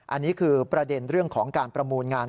อันนี้คือประเด็นเรื่องของการประมูลงาน